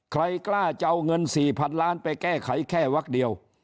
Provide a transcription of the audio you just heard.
ใครกล้าจะเอาเงิน๔๐๐๐ล้านไปแก้ไขแค่วักเดียว